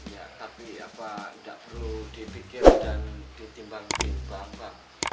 ya tapi apa enggak perlu dipikir dan ditimbang timbang pak